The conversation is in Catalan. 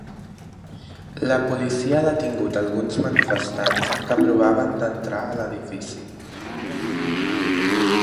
La policia ha detingut alguns manifestants que provaven d’entrar a l’edifici.